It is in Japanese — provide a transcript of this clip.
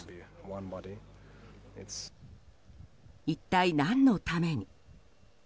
一体何のために？